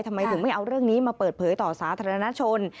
ทำไมถึงไม่เอาเรื่องนี้มาเปิดเผยต่อสาธารณชน